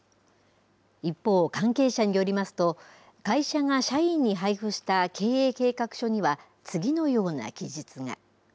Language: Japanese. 一方、関係者によりますと、会社が社員に配布した経営計画書には、次のような記述が。